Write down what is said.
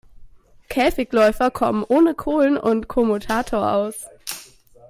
Käfigläufer kommen ohne Kohlen und Kommutator aus.